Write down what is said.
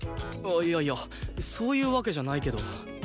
いやいやそういうわけじゃないけど。